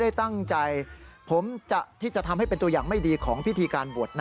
น้องรับคำติชมนะครับ